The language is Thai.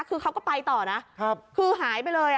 คือเขาก็ไปต่อนะคือหายไปเลย